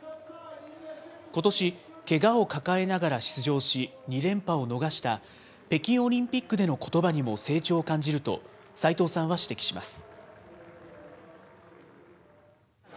ことし、けがを抱えながら出場し、２連覇を逃した北京オリンピックでのことばにも成長を感じると、齋藤さんは指摘します。